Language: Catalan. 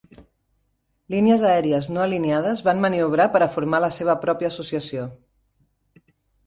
Línies aèries no alineades van maniobrar per a formar la seva pròpia associació.